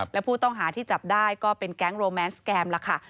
และผู้ต้องหาที่จับได้ก็เป็นแก๊งโรแมนสแกมล่ะค่ะ